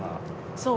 そう。